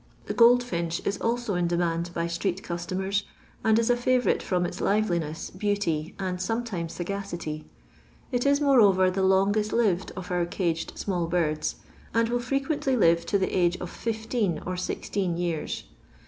The Ooldfinch is also in demand by street cus tomers, and is a favourite firom its liveliness, beauty, and sometimes sagacity. It is, moreover, the longest lived of our caged small birds, and will frequently live to the age of fifteen or sixteen years.